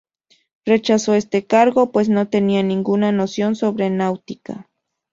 Rechazó este cargo, pues no tenía ninguna noción sobre náutica.